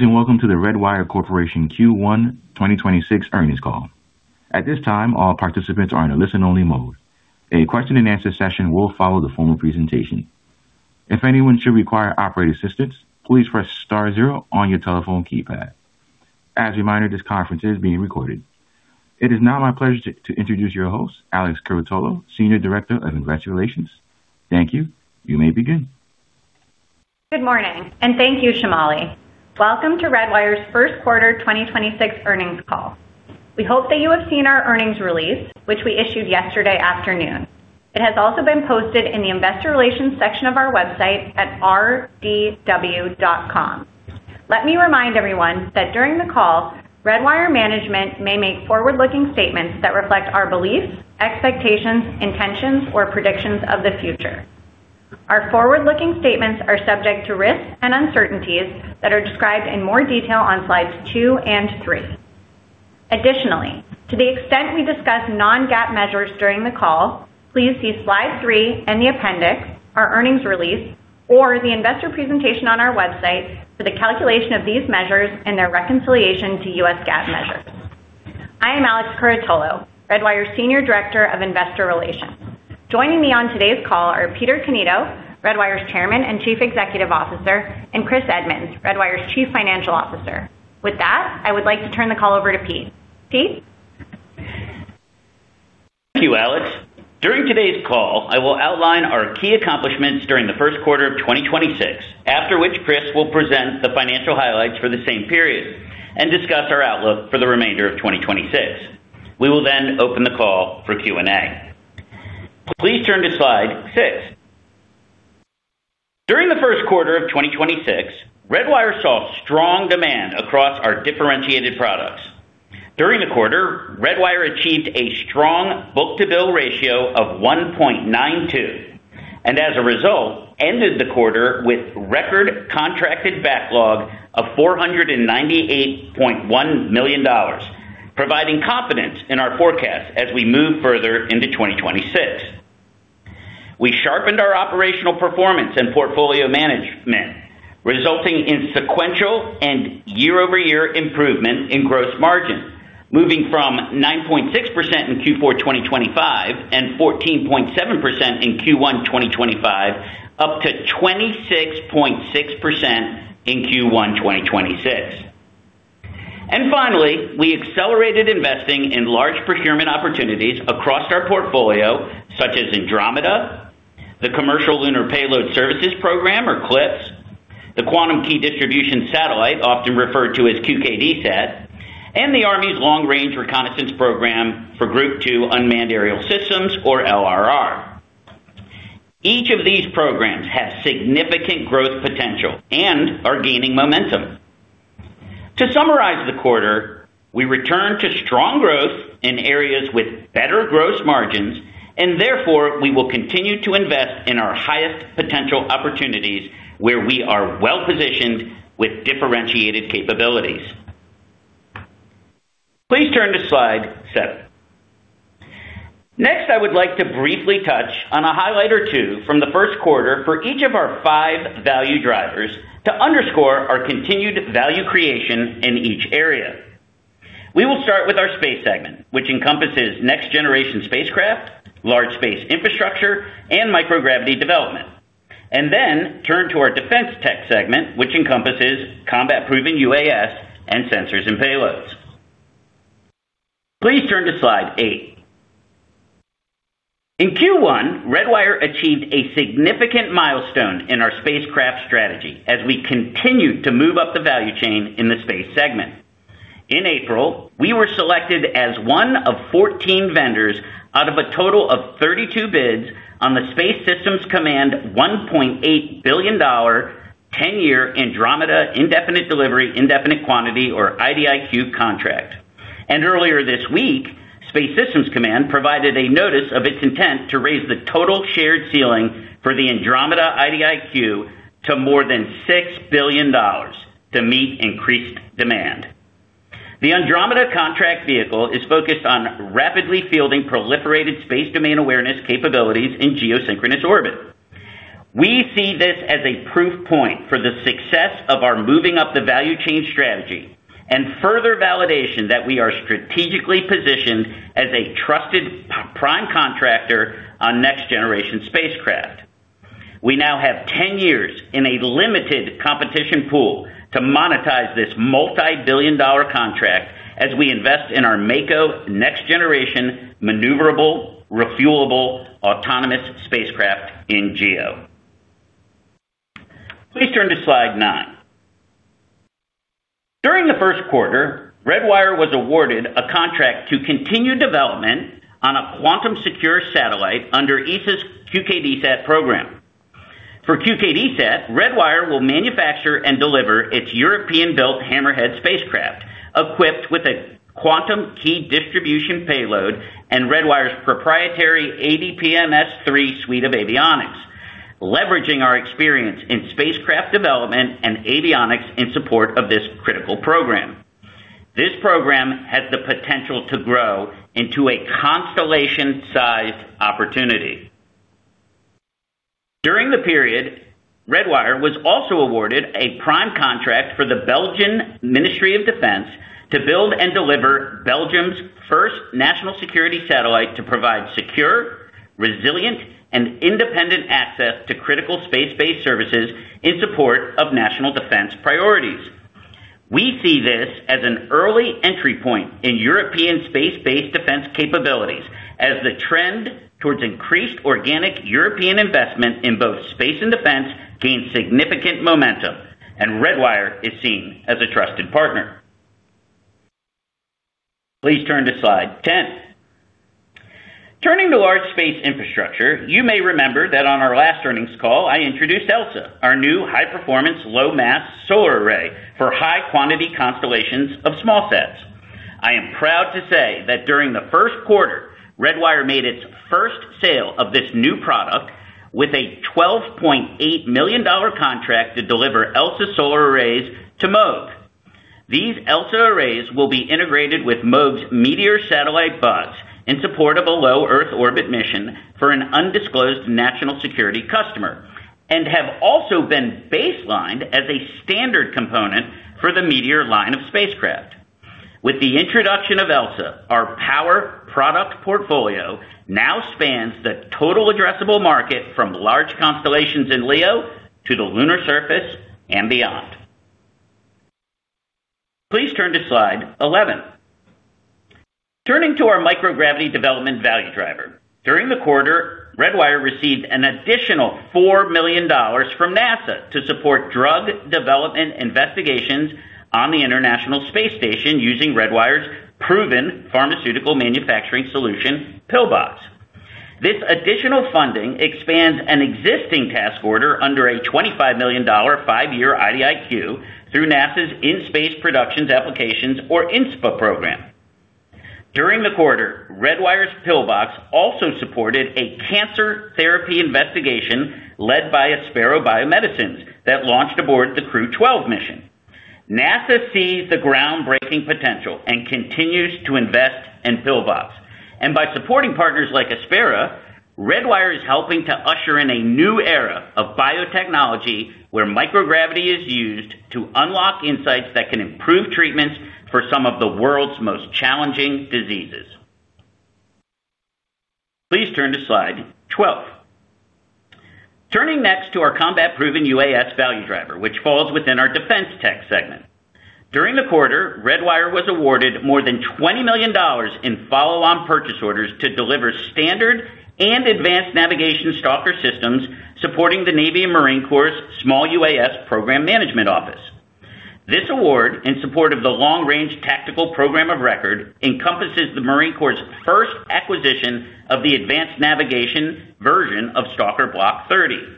Welcome to the Redwire Corporation Q1 2026 earnings call. At this time, all participants are in a listen-only mode. A question-and-answer session will follow the formal presentation. As a reminder, this conference is being recorded. It is now my pleasure to introduce your host, Alex Curatolo, Senior Director of Investor Relations. Thank you. You may begin. Good morning. Thank you, Shamali. Welcome to Redwire's first quarter 2026 earnings call. We hope that you have seen our earnings release, which we issued yesterday afternoon. It has also been posted in the investor relations section of our website at rdw.com. Let me remind everyone that during the call, Redwire management may make forward-looking statements that reflect our beliefs, expectations, intentions, or predictions of the future. Our forward-looking statements are subject to risks and uncertainties that are described in more detail on slides two and three. Additionally, to the extent we discuss non-GAAP measures during the call, please see slide three in the appendix, our earnings release, or the investor presentation on our website for the calculation of these measures and their reconciliation to U.S. GAAP measures. I am Alex Curatolo, Redwire's Senior Director of Investor Relations. Joining me on today's call are Peter Cannito, Redwire's Chairman and Chief Executive Officer, and Chris Edmunds, Redwire's Chief Financial Officer. I would like to turn the call over to Pete. Pete? Thank you, Alex. During today's call, I will outline our key accomplishments during the first quarter of 2026. After which, Chris will present the financial highlights for the same period and discuss our outlook for the remainder of 2026. We will open the call for Q&A. Please turn to slide six. During the first quarter of 2026, Redwire saw strong demand across our differentiated products. During the quarter, Redwire achieved a strong book-to-bill ratio of 1.92%, and as a result, ended the quarter with record contracted backlog of $498.1 million, providing confidence in our forecast as we move further into 2026. We sharpened our operational performance and portfolio management, resulting in sequential and year-over-year improvement in gross margin, moving from 9.6% in Q4 2025 and 14.7% in Q1 2025 up to 26.6% in Q1 2026. Finally, we accelerated investing in large procurement opportunities across our portfolio, such as Andromeda, the Commercial Lunar Payload Services program (CLPS), the Quantum Key Distribution Satellite, often referred to as QKDSat, and the Army's Long Range Reconnaissance program for Group 2 Unmanned Aerial Systems (UAS). Each of these programs have significant growth potential and are gaining momentum. To summarize the quarter, we return to strong growth in areas with better gross margins, and therefore, we will continue to invest in our highest potential opportunities where we are well-positioned with differentiated capabilities. Please turn to slide seven. Next, I would like to briefly touch on a highlight or two from the first quarter for each of our five value drivers to underscore our continued value creation in each area. We will start with our space segment, which encompasses next-generation spacecraft, large space infrastructure, and microgravity development. Turn to our defense tech segment, which encompasses combat-proven UAS and sensors and payloads. Please turn to slide eight. In Q1, Redwire achieved a significant milestone in our spacecraft strategy as we continued to move up the value chain in the space segment. In April, we were selected as one of 14 vendors out of a total of 32 bids on the Space Systems Command $1.8 billion, 10-year Andromeda Indefinite-Delivery/Indefinite-Quantity (IDIQ) contract. Earlier this week, Space Systems Command provided a notice of its intent to raise the total shared ceiling for the Andromeda IDIQ to more than $6 billion to meet increased demand. The Andromeda contract vehicle is focused on rapidly fielding proliferated space domain awareness capabilities in geosynchronous orbit. We see this as a proof point for the success of our moving up the value chain strategy and further validation that we are strategically positioned as a trusted prime contractor on next-generation spacecraft. We now have 10 years in a limited competition pool to monetize this multi-billion dollar contract as we invest in our Mako next generation maneuverable, refuelable, autonomous spacecraft in GEO. Please turn to slide nine. During the first quarter, Redwire was awarded a contract to continue development on a quantum secure satellite under ESA's QKDSat program. For QKDSat, Redwire will manufacture and deliver its European-built Hammerhead spacecraft equipped with a quantum key distribution payload and Redwire's proprietary ADPMS-3 suite of avionics, leveraging our experience in spacecraft development and avionics in support of this critical program. This program has the potential to grow into a constellation-sized opportunity. During the period, Redwire was also awarded a prime contract for the Belgian Ministry of Defence to build and deliver Belgium's first national security satellite to provide secure, resilient, and independent access to critical space-based services in support of national defense priorities. We see this as an early entry point in European space-based defense capabilities as the trend towards increased organic European investment in both space and defense gains significant momentum, and Redwire is seen as a trusted partner. Please turn to slide 10. Turning to large space infrastructure, you may remember that on our last earnings call, I introduced ELSA, our new high-performance, low-mass solar array for high quantity constellations of small sats. I am proud to say that during the first quarter, Redwire made its first sale of this new product with a $12.8 million contract to deliver ELSA solar arrays to Moog. These ELSA arrays will be integrated with Moog's Meteor satellite buses in support of a low Earth orbit mission for an undisclosed national security customer and have also been baselined as a standard component for the Meteor line of spacecraft. With the introduction of ELSA, our power product portfolio now spans the total addressable market from large constellations in LEO to the lunar surface and beyond. Please turn to slide 11. Turning to our microgravity development value driver. During the quarter, Redwire received an additional $4 million from NASA to support drug development investigations on the International Space Station using Redwire's proven pharmaceutical manufacturing solution, PIL-BOX. This additional funding expands an existing task order under a $25 million five-year IDIQ through NASA's In-Space Production Applications, or InSPA program. During the quarter, Redwire's PIL-BOX also supported a cancer therapy investigation led by Aspera Biomedicines that launched aboard the Crew-12 mission. NASA sees the groundbreaking potential and continues to invest in PIL-BOX. By supporting partners like Aspera, Redwire is helping to usher in a new era of biotechnology where microgravity is used to unlock insights that can improve treatments for some of the world's most challenging diseases. Please turn to slide 12. Turning next to our combat-proven UAS value driver, which falls within our defense tech segment. During the quarter, Redwire was awarded more than $20 million in follow-on purchase orders to deliver standard and advanced navigation Stalker systems supporting the U.S. Navy and Marine Corps Small UAS Program Management Office. This award, in support of the Long Range Reconnaissance program of record, encompasses the Marine Corps' first acquisition of the advanced navigation version of Stalker Block 30.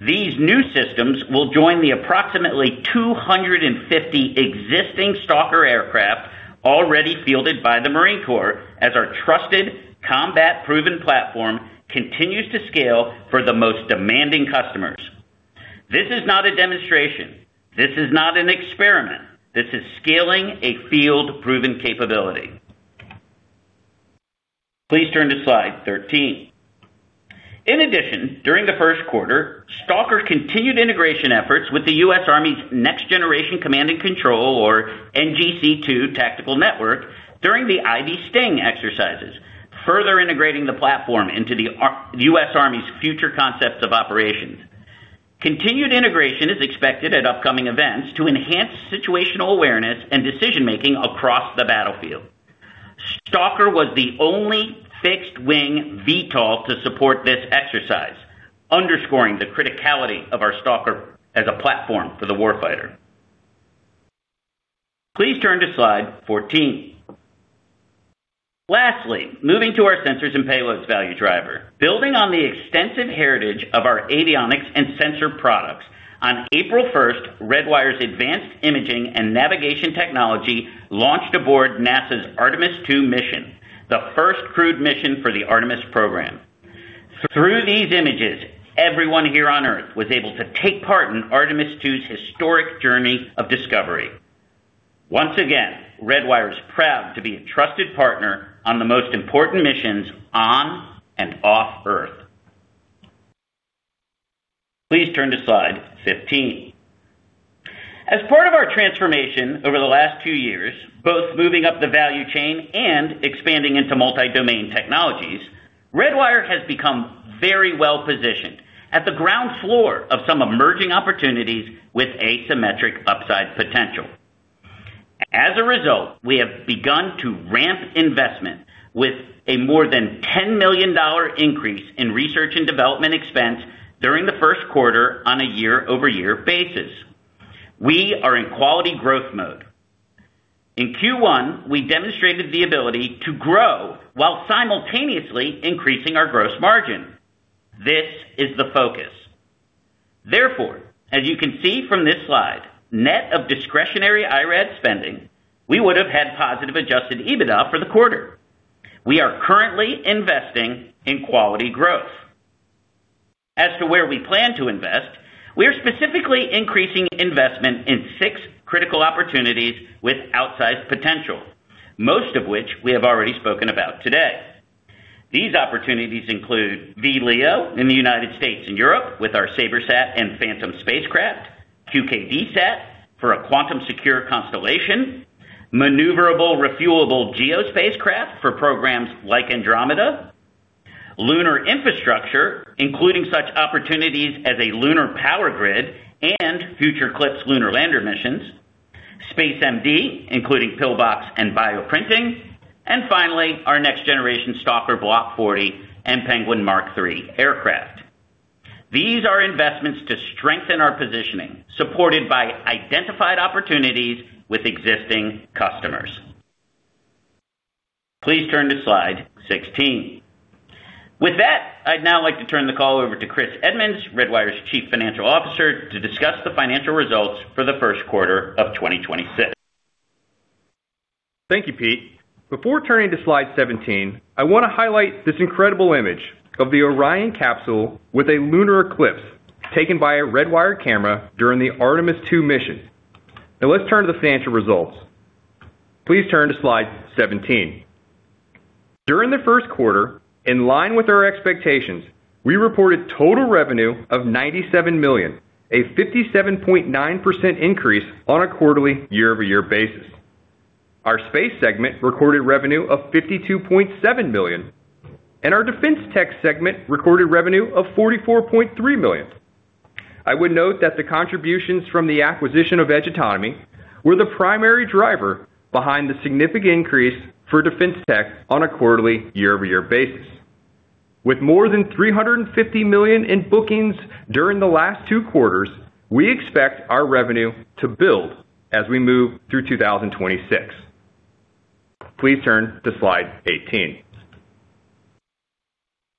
These new systems will join the approximately 250 existing Stalker aircraft already fielded by the Marine Corps as our trusted combat-proven platform continues to scale for the most demanding customers. This is not a demonstration. This is not an experiment. This is scaling a field-proven capability. Please turn to slide 13. In addition, during the first quarter, Stalker continued integration efforts with the U.S. Army's Next Generation Command and Control, or NGC2 tactical network during the Ivy Sting exercises, further integrating the platform into the U.S. Army's future concepts of operations. Continued integration is expected at upcoming events to enhance situational awareness and decision-making across the battlefield. Stalker was the only fixed-wing VTOL to support this exercise, underscoring the criticality of our Stalker as a platform for the warfighter. Please turn to slide 14. Moving to our sensors and payloads value driver. Building on the extensive heritage of our avionics and sensor products, on April first, Redwire's advanced imaging and navigation technology launched aboard NASA's Artemis II mission, the first crewed mission for the Artemis program. Through these images, everyone here on Earth was able to take part in Artemis II's historic journey of discovery. Once again, Redwire is proud to be a trusted partner on the most important missions on and off Earth. Please turn to slide 15. As part of our transformation over the last two-years, both moving up the value chain and expanding into multi-domain technologies, Redwire has become very well positioned at the ground floor of some emerging opportunities with asymmetric upside potential. As a result, we have begun to ramp investment with a more than $10 million increase in research and development expense during the first quarter on a year-over-year basis. We are in quality growth mode. In Q1, we demonstrated the ability to grow while simultaneously increasing our gross margin. This is the focus. Therefore, as you can see from this slide, net of discretionary IRAD spending, we would have had positive adjusted EBITDA for the quarter. We are currently investing in quality growth. As to where we plan to invest, we are specifically increasing investment in 6 key opportunities with outsized potential, most of which we have already spoken about today. These opportunities include VLEO in the U.S. and Europe with our SabreSat, and Phantom spacecraft, QKDSat for a quantum secure constellation, maneuverable refuelable GEO spacecraft for programs like Andromeda, lunar infrastructure, including such opportunities as a lunar power grid and future CLPS lunar lander missions, space biotech, including PIL-BOX and bioprinting, and finally, our next generation Stalker Block 40 and Penguin Mark III aircraft. These are investments to strengthen our positioning, supported by identified opportunities with existing customers. Please turn to slide 16. With that, I'd now like to turn the call over to Chris Edmunds, Redwire's Chief Financial Officer, to discuss the financial results for the first quarter of 2026. Thank you, Pete. Before turning to slide 17, I want to highlight this incredible image of the Orion capsule with a lunar eclipse taken by a Redwire camera during the Artemis II mission. Now let's turn to the financial results. Please turn to slide 17. During the first quarter, in line with our expectations, we reported total revenue of $97 million, a 57.9% increase on a quarterly year-over-year basis. Our space segment recorded revenue of $52.7 million, and our defense tech segment recorded revenue of $44.3 million. I would note that the contributions from the acquisition of Edge Autonomy were the primary driver behind the significant increase for defense tech on a quarterly year-over-year basis. With more than $350 million in bookings during the last two quarters, we expect our revenue to build as we move through 2026. Please turn to slide 18.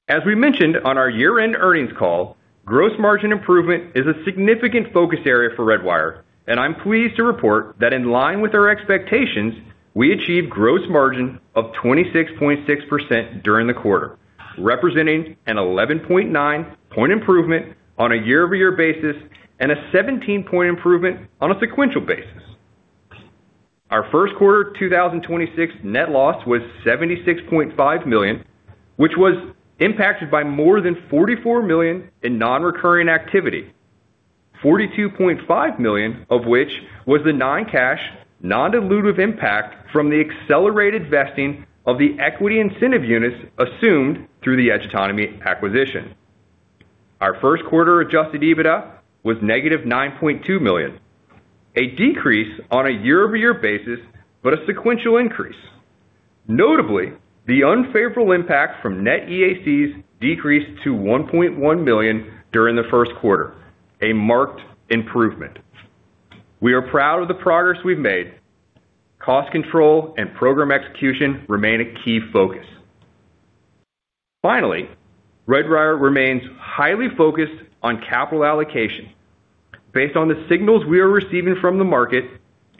As we mentioned on our year-end earnings call, gross margin improvement is a significant focus area for Redwire, and I'm pleased to report that in line with our expectations, we achieved gross margin of 26.6% during the quarter, representing an 11.9 point improvement on a year-over-year basis and a 17-point improvement on a sequential basis. Our first quarter 2026 net loss was $76.5 million, which was impacted by more than $44 million in non-recurring activity. $42.5 million of which was the non-cash, non-dilutive impact from the accelerated vesting of the equity incentive units assumed through the Edge Autonomy acquisition. Our first quarter adjusted EBITDA was -$9.2 million, a decrease on a year-over-year basis, but a sequential increase. Notably, the unfavorable impact from net EACs decreased to $1.1 million during the first quarter, a marked improvement. We are proud of the progress we've made. Cost control and program execution remain a key focus. Finally, Redwire remains highly focused on capital allocation. Based on the signals we are receiving from the market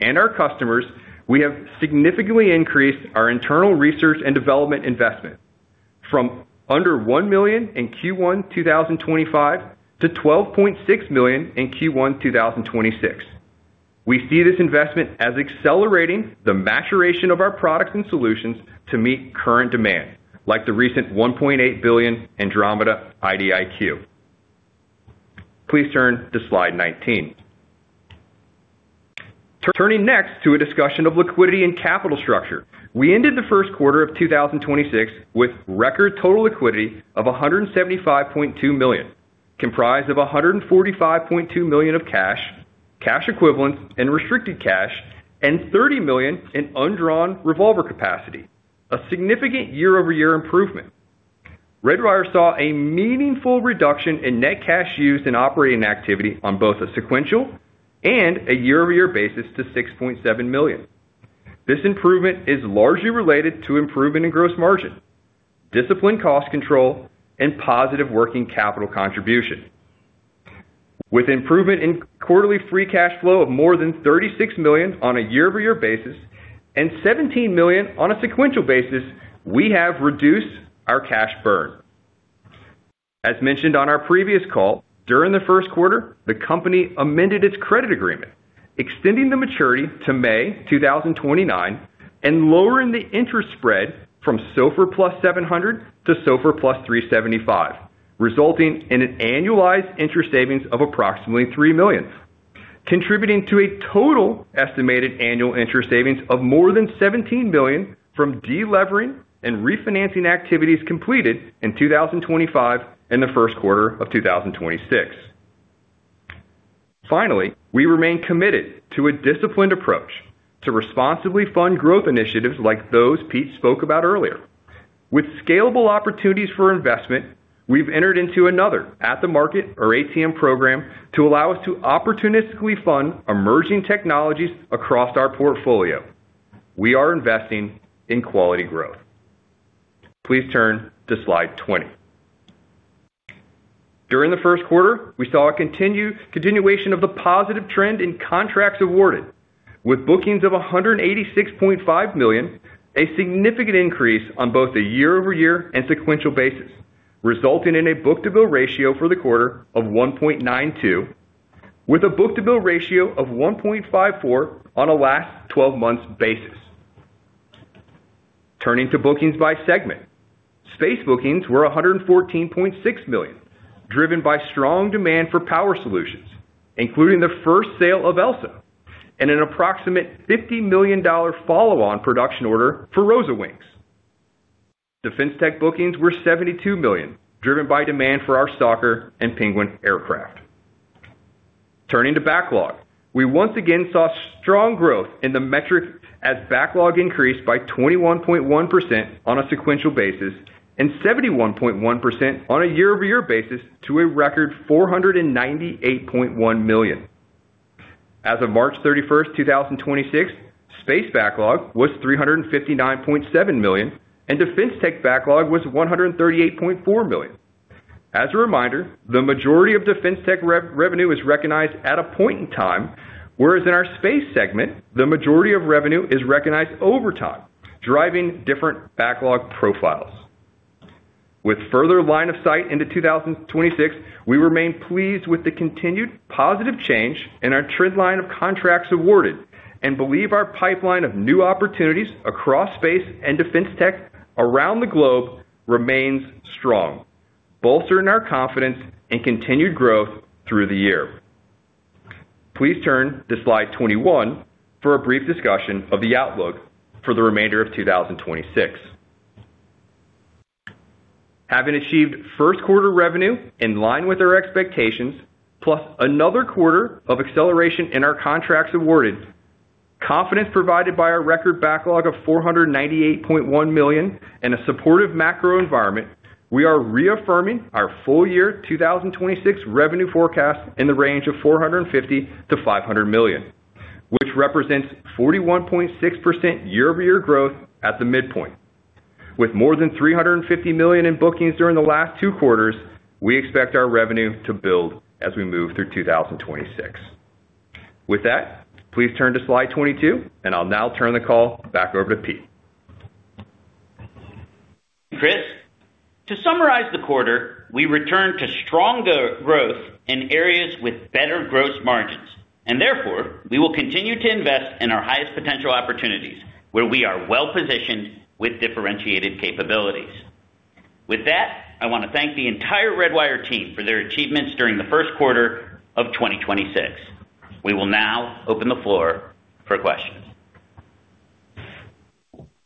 and our customers, we have significantly increased our internal research and development investment from under $1 million in Q1 2025-$12.6 million in Q1 2026. We see this investment as accelerating the maturation of our products and solutions to meet current demand, like the recent $1.8 billion Andromeda IDIQ. Please turn to slide 19. Turning next to a discussion of liquidity and capital structure. We ended the first quarter of 2026 with record total liquidity of $175.2 million, comprised of $145.2 million of cash equivalent and restricted cash, and $30 million in undrawn revolver capacity, a significant year-over-year improvement. Redwire saw a meaningful reduction in net cash used in operating activity on both a sequential and a year-over-year basis to $6.7 million. This improvement is largely related to improvement in gross margin, disciplined cost control, and positive working capital contribution. With improvement in quarterly free cash flow of more than $36 million on a year-over-year basis and $17 million on a sequential basis, we have reduced our cash burn. As mentioned on our previous call, during the first quarter, the company amended its credit agreement, extending the maturity to May 2029 and lowering the interest spread from SOFR +700-SOFR +375, resulting in an annualized interest savings of approximately $3 million. Contributing to a total estimated annual interest savings of more than $17 million from delevering and refinancing activities completed in 2025 and the first quarter of 2026. Finally, we remain committed to a disciplined approach to responsibly fund growth initiatives like those Pete spoke about earlier. With scalable opportunities for investment, we've entered into another at the market or ATM program to allow us to opportunistically fund emerging technologies across our portfolio. We are investing in quality growth. Please turn to slide 20. During the first quarter, we saw a continuation of the positive trend in contracts awarded with bookings of $186.5 million, a significant increase on both a year-over-year and sequential basis, resulting in a book-to-bill ratio for the quarter of 1.92%, with a book-to-bill ratio of 1.54% on a last 12 months basis. Turning to bookings by segment. Space bookings were $114.6 million, driven by strong demand for power solutions, including the first sale of ELSA and an approximate $50 million follow-on production order for ROSA wings. Defense tech bookings were $72 million, driven by demand for our Stalker and Penguin aircraft. Turning to backlog. We once again saw strong growth in the metric as backlog increased by 21.1% on a sequential basis and 71.1% on a year-over-year basis to a record $498.1 million. As of March 31, 2026, space backlog was $359.7 million, and defense tech backlog was $138.4 million. As a reminder, the majority of defense tech revenue is recognized at a point in time, whereas in our space segment, the majority of revenue is recognized over time, driving different backlog profiles. With further line of sight into 2026, we remain pleased with the continued positive change in our trend line of contracts awarded and believe our pipeline of new opportunities across space and defense tech around the globe remains strong, bolstering our confidence in continued growth through the year. Please turn to slide 21 for a brief discussion of the outlook for the remainder of 2026. Having achieved first quarter revenue in line with our expectations, plus another quarter of acceleration in our contracts awarded, confidence provided by our record backlog of $498.1 million and a supportive macro environment, we are reaffirming our full-year 2026 revenue forecast in the range of $450 million-$500 million, which represents 41.6% year-over-year growth at the midpoint. With more than $350 million in bookings during the last two quarters, we expect our revenue to build as we move through 2026. With that, please turn to slide 22, and I'll now turn the call back over to Pete. Chris. To summarize the quarter, we return to stronger growth in areas with better gross margins. Therefore, we will continue to invest in our highest potential opportunities, where we are well-positioned with differentiated capabilities. With that, I want to thank the entire Redwire team for their achievements during the first quarter of 2026. We will now open the floor for questions.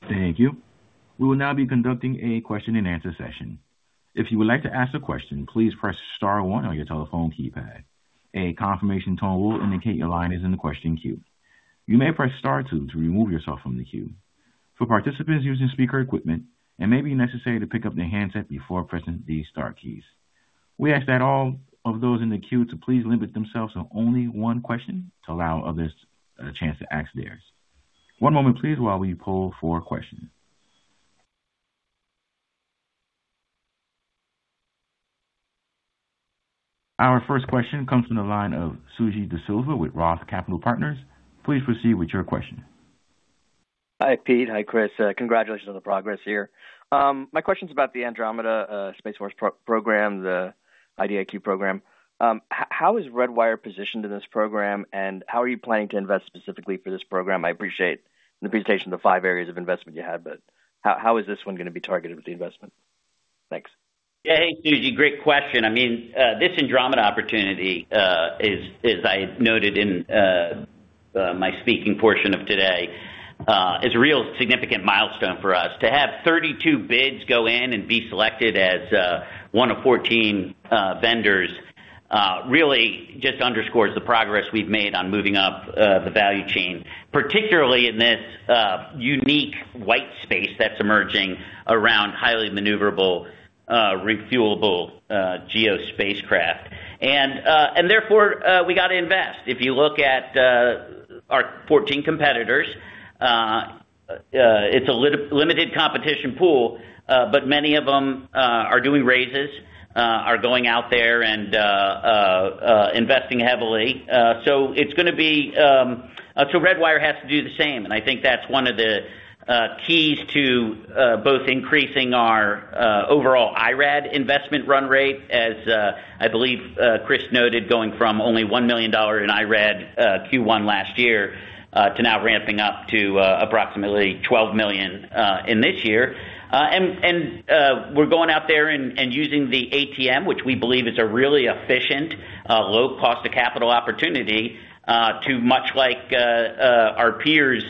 Thank you. We will now be conducting a question and answer session. If you would like to ask a question, please press star one on your telephone keypad. A confirmation tone will indicate your line is in the question queue. You may press star two to remove yourself from the queue. For participants using speaker equipment, it may be necessary to pick up their handset before pressing the star keys. We ask that all of those in the queue to please limit themselves to only one question to allow others a chance to ask theirs. One moment please while we poll for questions. Our first question comes from the line of Suji DeSilva with Roth Capital Partners. Please proceed with your question. Hi, Pete. Hi, Chris. Congratulations on the progress here. My question's about the Andromeda, Space Force program, the IDIQ program. How is Redwire positioned in this program, and how are you planning to invest specifically for this program? I appreciate the presentation of the five areas of investment you had, but how is this one going to be targeted with the investment? Thanks. Hey, Suji, great question. I mean, this Andromeda opportunity is, as I noted in my speaking portion of today, is a real significant milestone for us. To have 32 bids go in and be selected as one of 14 vendors, really just underscores the progress we've made on moving up the value chain, particularly in this unique white space that's emerging around highly maneuverable, refuelable, GEO spacecraft. Therefore, we gotta invest. If you look at our 14 competitors, it's a limited competition pool, many of them are doing raises, are going out there and investing heavily. Redwire has to do the same. I think that's one of the keys to both increasing our overall IRAD investment run rate as I believe Chris noted, going from only $1 million in IRAD Q1 last year, to now ramping up to approximately $12 million in this year. We're going out there and using the ATM, which we believe is a really efficient, low cost of capital opportunity, to much like our peers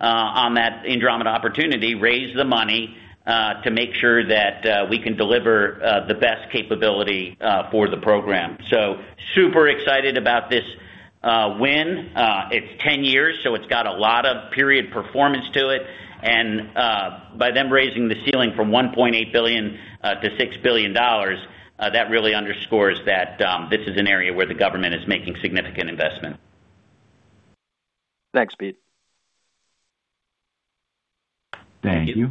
on that Andromeda opportunity, raise the money to make sure that we can deliver the best capability for the program. Super excited about this win. It's 10 years, so it's got a lot of period performance to it. By them raising the ceiling from $1.8 billion-$6 billion, that really underscores that this is an area where the government is making significant investment. Thanks, Pete. Thank you.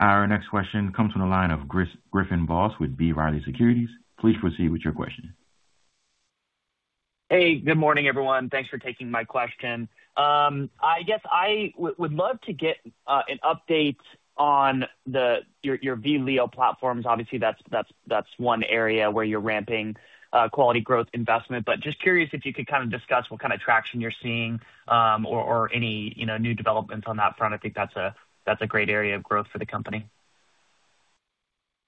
Our next question comes from the line of Griffin Boss with B. Riley Securities. Please proceed with your question. Hey, good morning, everyone. Thanks for taking my question. I guess I would love to get an update on your VLEO platforms. Obviously, that's one area where you're ramping quality growth investment. Just curious if you could kind of discuss what kind of traction you're seeing, or any, you know, new developments on that front. I think that's a great area of growth for the company.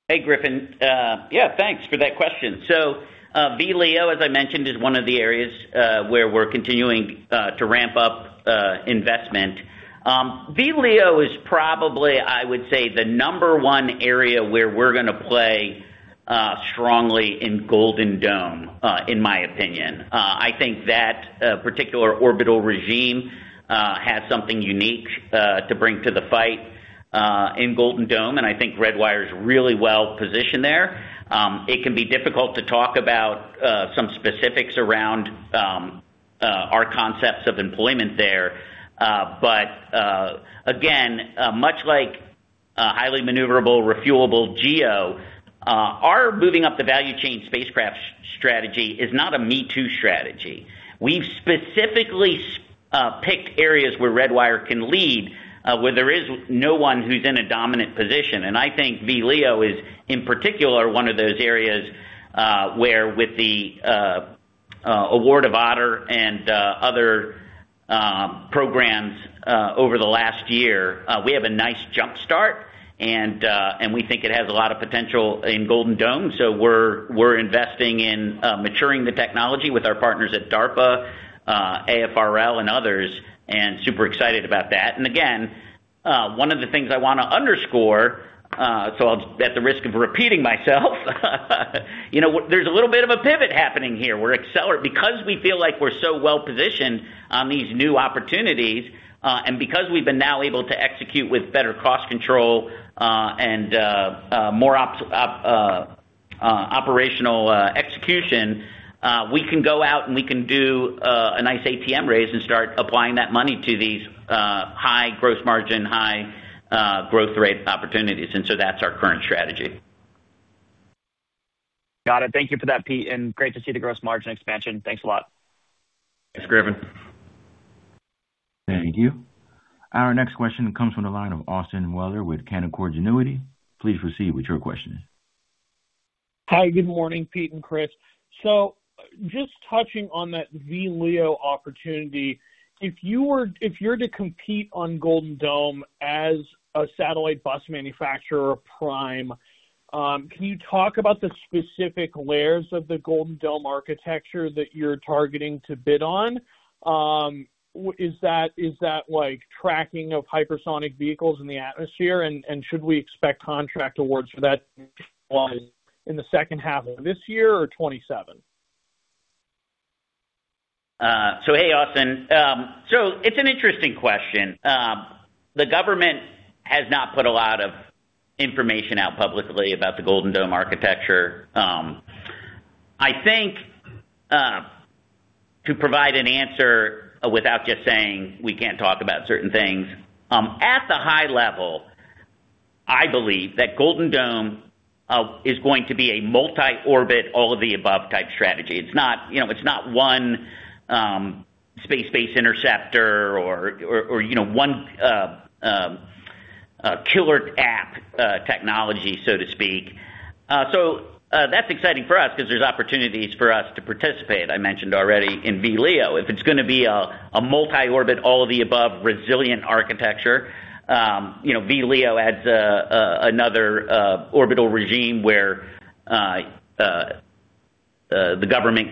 Hey, Griffin. Yeah, thanks for that question. VLEO, as I mentioned, is one of the areas where we're continuing to ramp up investment. VLEO is probably, I would say, the number one area where we're gonna play strongly in Golden Dome, in my opinion. I think that particular orbital regime has something unique to bring to the fight in Golden Dome, I think Redwire is really well-positioned there. It can be difficult to talk about some specifics around our concepts of employment there. Again, much like highly maneuverable, refuelable GEO, our moving up the value chain spacecraft strategy is not a me-too strategy. We've specifically picked areas where Redwire can lead, where there is no one who's in a dominant position. I think VLEO is, in particular, one of those areas, where with the award of Otter and other programs over the last year, we have a nice jump start. We think it has a lot of potential in Golden Dome. We're investing in maturing the technology with our partners at DARPA, AFRL and others, and super excited about that. Again, one of the things I wanna underscore, so at the risk of repeating myself, you know, there's a little bit of a pivot happening here. Because we feel like we're so well-positioned on these new opportunities, and because we've been now able to execute with better cost control, and more operational execution, we can go out, and we can do a nice ATM raise and start applying that money to these high gross margin, high growth rate opportunities. That's our current strategy. Got it. Thank you for that, Pete. Great to see the gross margin expansion. Thanks a lot. Thanks, Griffin. Thank you. Our next question comes from the line of Austin Moeller with Canaccord Genuity. Please proceed with your question. Hi, good morning, Peter and Chris. Just touching on that VLEO opportunity. If you're to compete on Golden Dome as a satellite bus manufacturer or prime, can you talk about the specific layers of the Golden Dome architecture that you're targeting to bid on? Is that like tracking of hypersonic vehicles in the atmosphere? Should we expect contract awards for that in the second half of this year or 2027? Hey, Austin. It's an interesting question. The government has not put a lot of information out publicly about the Golden Dome architecture. I think, to provide an answer without just saying we can't talk about certain things, at the high level, I believe that Golden Dome is going to be a multi-orbit, all of the above type strategy. It's not, you know, it's not one space-based interceptor or, you know, one killer app technology, so to speak. That's exciting for us because there's opportunities for us to participate. I mentioned already in VLEO. If it's gonna be a multi-orbit, all of the above resilient architecture, you know, VLEO adds another orbital regime where the government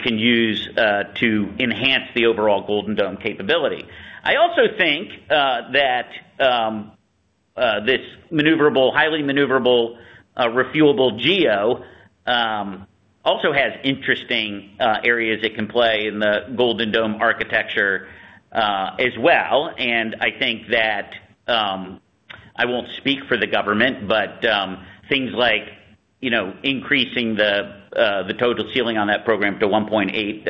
can use to enhance the overall Golden Dome capability. I also think that this maneuverable, highly maneuverable, refuelable GEO also has interesting areas it can play in the Golden Dome architecture as well. I think that I won't speak for the government, but things like, you know, increasing the total ceiling on that program from $1.8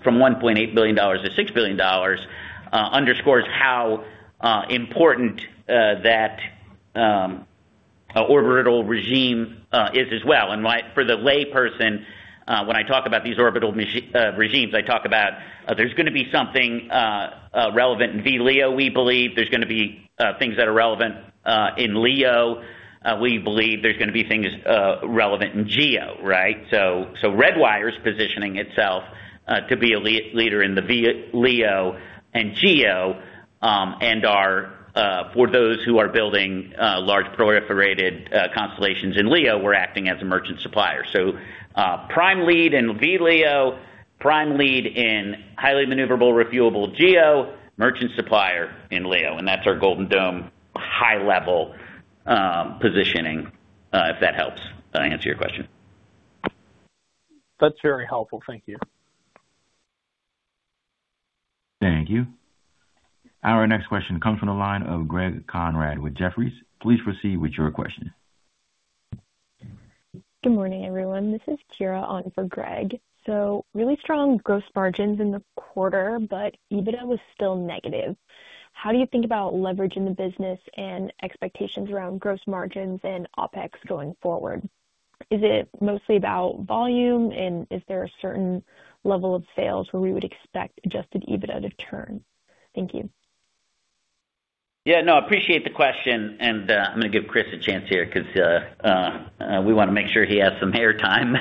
billion-$6 billion underscores how important that orbital regime is as well. For the layperson, when I talk about these orbital regimes, I talk about there's gonna be something relevant in VLEO, we believe. There's gonna be things that are relevant in LEO. We believe there's gonna be things relevant in GEO, right? Redwire's positioning itself to be a leader in the VLEO and GEO, for those who are building large proliferated constellations in LEO, we're acting as a merchant supplier. Prime lead in VLEO, prime lead in highly maneuverable, refuelable GEO, merchant supplier in LEO. That's our Golden Dome high level positioning, if that helps answer your question. That's very helpful. Thank you. Thank you. Our next question comes from the line of Greg Konrad with Jefferies. Please proceed with your question. Good morning, everyone. This is [Kira] on for Greg. Really strong gross margins in the quarter, but EBITDA was still negative. How do you think about leverage in the business and expectations around gross margins and OpEx going forward? Is it mostly about volume? Is there a certain level of sales where we would expect adjusted EBITDA to turn? Thank you. Yeah, no, I appreciate the question. I'm gonna give Chris a chance here 'cause we wanna make sure he has some air time.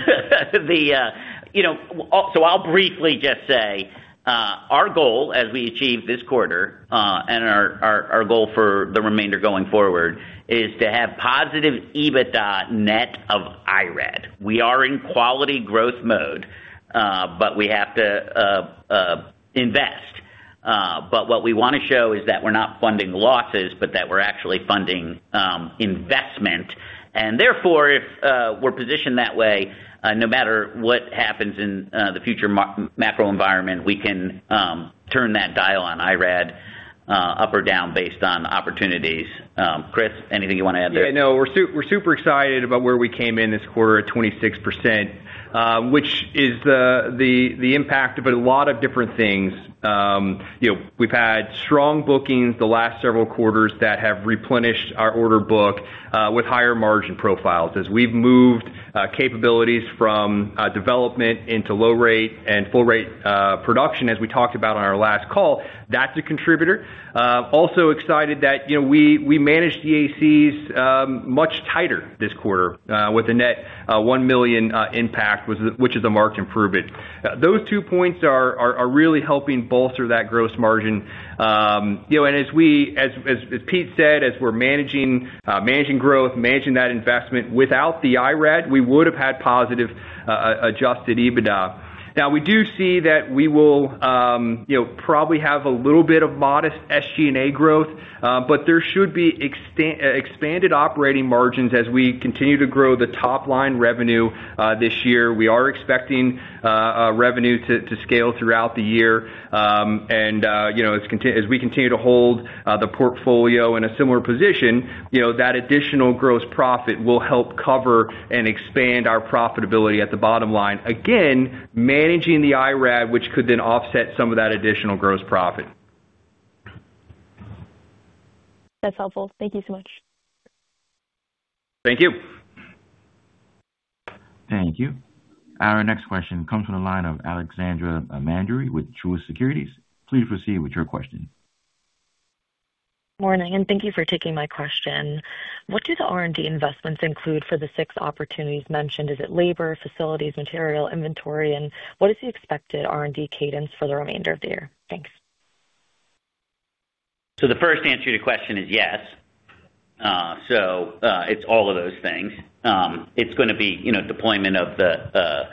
You know, I'll briefly just say, our goal as we achieve this quarter, and our goal for the remainder going forward is to have positive EBITDA net of IRAD. We are in quality growth mode, but we have to invest. But what we wanna show is that we're not funding losses, but that we're actually funding investment. Therefore, if we're positioned that way, no matter what happens in the future macro environment, we can turn that dial on IRAD up or down based on opportunities. Chris, anything you wanna add there? Yeah, no, we're super excited about where we came in this quarter at 26%, which is the impact of a lot of different things. You know, we've had strong bookings the last several quarters that have replenished our order book with higher margin profiles. As we've moved capabilities from development into low rate and full rate production as we talked about on our last call, that's a contributor. Also excited that, you know, we managed the EACs much tighter this quarter with a net $1 million impact, which is a marked improvement. Those two points are really helping bolster that gross margin. You know, as Pete said, as we're managing growth, managing that investment, without the IRAD, we would have had positive adjusted EBITDA. Now, we do see that we will, you know, probably have a little bit of modest SG&A growth, but there should be expanded operating margins as we continue to grow the top line revenue this year. We are expecting revenue to scale throughout the year. You know, as we continue to hold the portfolio in a similar position, you know, that additional gross profit will help cover and expand our profitability at the bottom line. Again, managing the IRAD, which could then offset some of that additional gross profit. That's helpful. Thank you so much. Thank you. Thank you. Our next question comes from the line of Alexandra Mandery with Truist Securities. Please proceed with your question. Morning, thank you for taking my question. What do the R&D investments include for the six opportunities mentioned? Is it labor, facilities, material, inventory? What is the expected R&D cadence for the remainder of the year? Thanks. The first answer to your question is yes. It's all of those things. It's gonna be, you know, deployment of the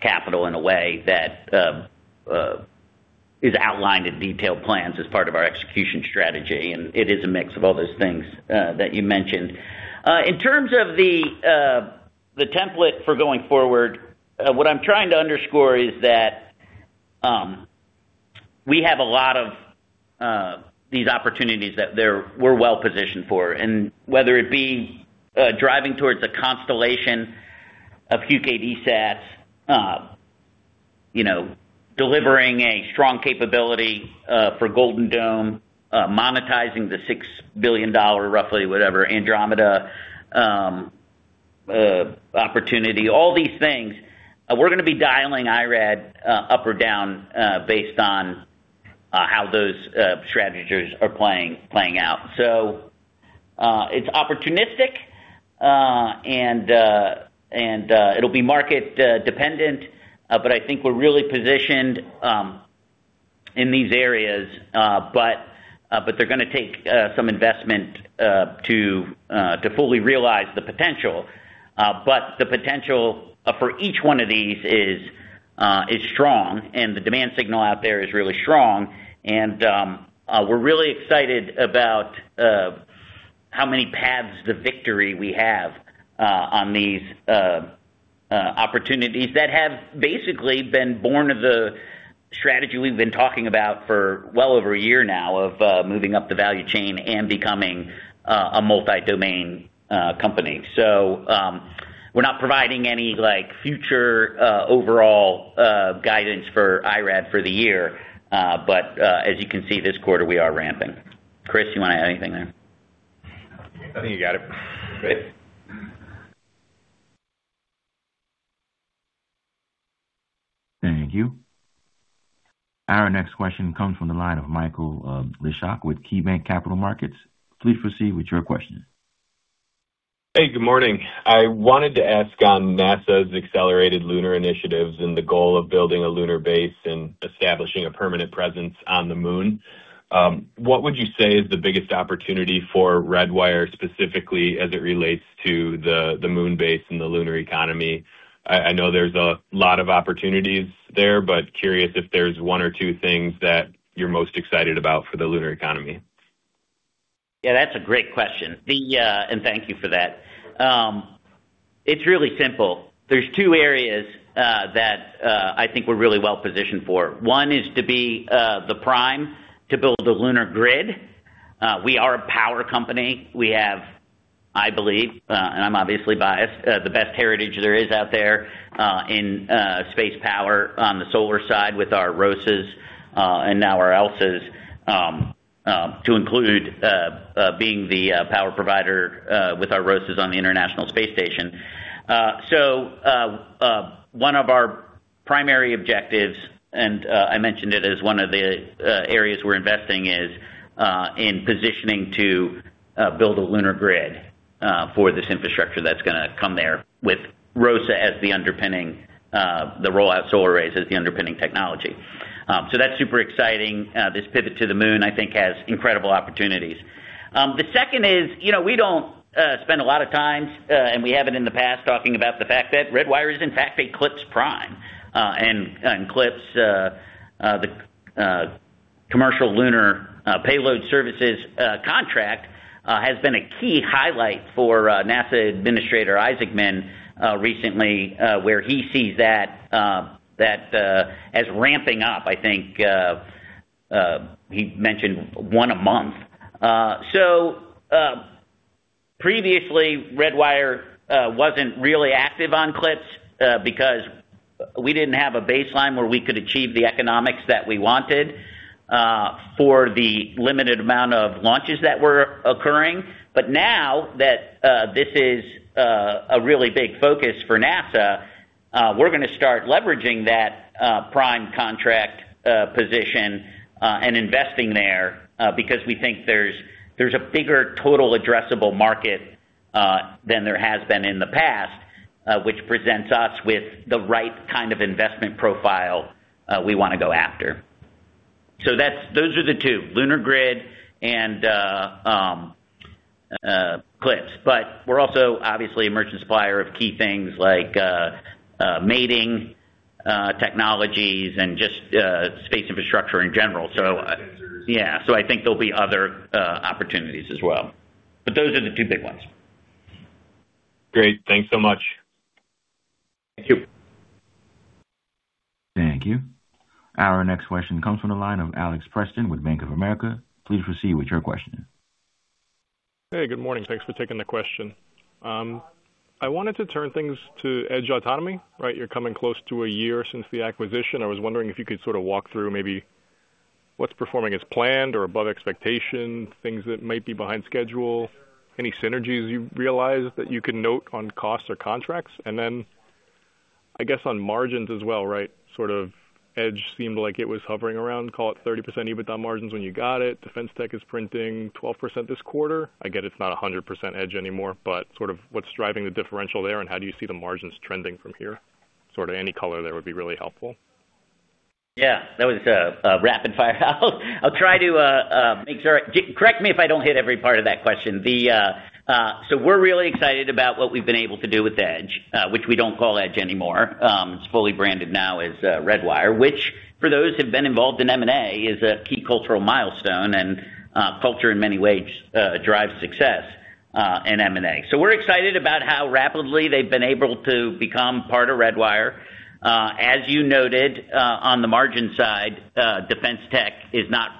capital in a way that is outlined in detailed plans as part of our execution strategy, and it is a mix of all those things that you mentioned. In terms of the template for going forward, what I'm trying to underscore is that we have a lot of these opportunities that we're well-positioned for. Whether it be driving towards a constellation of QKD sats, you know, delivering a strong capability for Golden Dome, monetizing the $6 billion roughly whatever Andromeda opportunity, all these things, we're gonna be dialing IRAD up or down based on how those strategies are playing out. It's opportunistic, and it'll be market dependent. I think we're really positioned in these areas. But they're gonna take some investment to fully realize the potential. The potential for each one of these is strong, and the demand signal out there is really strong. We're really excited about how many paths to victory we have on these opportunities that have basically been born of the strategy we've been talking about for well over a year now of moving up the value chain and becoming a multi-domain company. We're not providing any, like, future overall guidance for IRAD for the year. But as you can see this quarter, we are ramping. Chris, you wanna add anything there? I think you got it. Great. Thank you. Our next question comes from the line of Michael Ciarmoli with KeyBanc Capital Markets. Please proceed with your question. Hey, good morning. I wanted to ask on NASA's accelerated lunar initiatives and the goal of building a lunar base and establishing a permanent presence on the moon. What would you say is the biggest opportunity for Redwire, specifically as it relates to the moon base and the lunar economy? I know there's a lot of opportunities there, but curious if there's one or two things that you're most excited about for the lunar economy. Yeah, that's a great question. Thank you for that. It's really simple. There's two areas that I think we're really well-positioned for. One is to be the prime to build the lunar grid. We are a power company. We have, I believe, and I'm obviously biased, the best heritage there is out there in space power on the solar side with our ROSAs and now our ELSAs. To include being the power provider with our ROSAs on the International Space Station. One of our primary objectives, and I mentioned it as one of the areas we're investing is, in positioning to build a lunar grid, for this infrastructure that's gonna come there with ROSA as the underpinning, the Roll-Out Solar Arrays as the underpinning technology. That's super exciting. This pivot to the moon, I think, has incredible opportunities. The second is, you know, we don't spend a lot of time, and we haven't in the past, talking about the fact that Redwire is in fact a CLPS prime, and CLPS, the Commercial Lunar Payload Services contract, has been a key highlight for NASA Administrator Isaacman, recently, where he sees that as ramping up. I think he mentioned one a month. Previously, Redwire wasn't really active on CLPS because we didn't have a baseline where we could achieve the economics that we wanted for the limited amount of launches that were occurring. Now that this is a really big focus for NASA, we're gonna start leveraging that prime contract position and investing there because we think there's a bigger total addressable market than there has been in the past, which presents us with the right kind of investment profile we wanna go after. Those are the two, lunar grid and CLPS. We're also obviously a merchant supplier of key things like mating technologies and just space infrastructure in general. Yeah. I think there'll be other opportunities as well. Those are the two big ones. Great. Thanks so much. Thank you. Thank you. Our next question comes from the line of Alex Preston with Bank of America. Please proceed with your question. Hey, good morning. Thanks for taking the question. I wanted to turn things to Edge Autonomy, right? You're coming close to a year since the acquisition. I was wondering if you could sort of walk through maybe what's performing as planned or above expectation, things that might be behind schedule, any synergies you've realized that you can note on costs or contracts. Then I guess on margins as well, right? Sort of Edge seemed like it was hovering around, call it 30% EBITDA margins when you got it. Defense tech is printing 12% this quarter. I get it's not 100% Edge anymore, but sort of what's driving the differential there, and how do you see the margins trending from here? Sort of any color there would be really helpful. Yeah, that was a rapid-fire. I'll try to make sure. Correct me if I don't hit every part of that question. We're really excited about what we've been able to do with Edge, which we don't call Edge anymore. It's fully branded now as Redwire, which for those who've been involved in M&A, is a key cultural milestone, and culture in many ways drives success in M&A. We're excited about how rapidly they've been able to become part of Redwire. As you noted, on the margin side, defense tech is not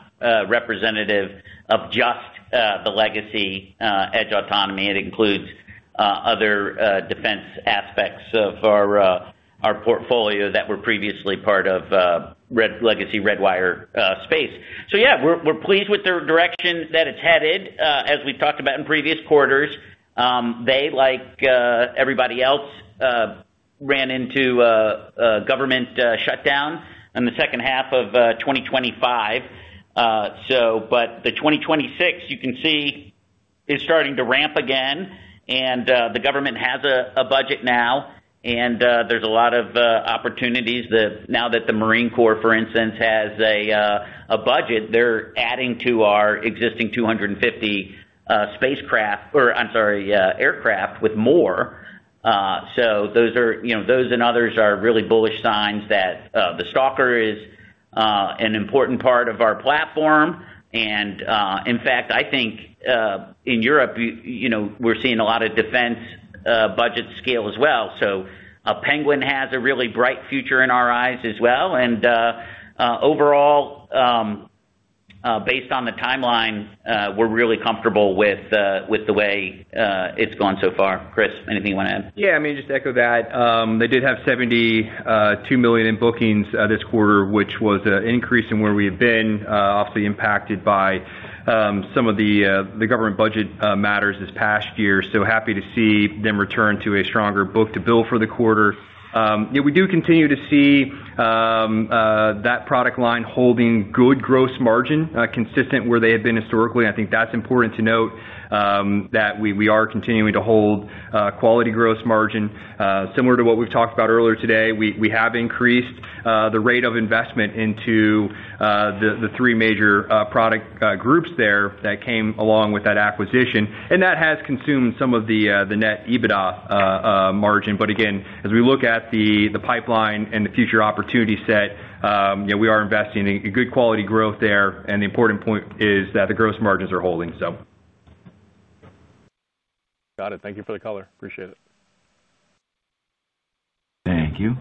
representative of just the legacy Edge Autonomy. It includes other defense aspects of our portfolio that were previously part of legacy Redwire space. Yeah, we're pleased with the direction that it's headed. As we've talked about in previous quarters, they, like, everybody else, ran into government shutdown in the second half of 2025. But the 2026 you can see is starting to ramp again and the government has a budget now, and there's a lot of opportunities that now that the Marine Corps, for instance, has a budget, they're adding to our existing 250 spacecraft or, I'm sorry, aircraft with more. Those are, you know, those and others are really bullish signs that the Stalker is an important part of our platform. In fact, I think, in Europe, you know, we're seeing a lot of defense budget scale as well. Penguin has a really bright future in our eyes as well. Overall, based on the timeline, we're really comfortable with the way it's gone so far. Chris, anything you wanna add? Yeah, I mean, just to echo that. They did have $72 million in bookings this quarter, which was an increase in where we had been, obviously impacted by some of the government budget matters this past year. Happy to see them return to a stronger book to bill for the quarter. We do continue to see that product line holding good gross margin, consistent where they had been historically. I think that's important to note that we are continuing to hold quality gross margin. Similar to what we've talked about earlier today, we have increased the rate of investment into the three major product groups there that came along with that acquisition, and that has consumed some of the net EBITDA margin. Again, as we look at the pipeline and the future opportunity set, we are investing in good quality growth there. The important point is that the gross margins are holding so. Got it. Thank you for the color. Appreciate it. Thank you.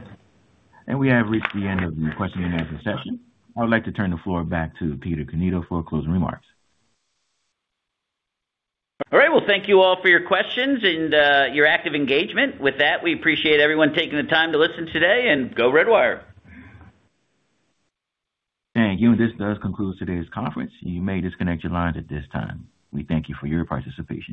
We have reached the end of the question and answer session. I would like to turn the floor back to Peter Cannito for closing remarks. All right. Well, thank you all for your questions and your active engagement. With that, we appreciate everyone taking the time to listen today, go Redwire. Thank you. This does conclude today's conference. You may disconnect your lines at this time. We thank you for your participation.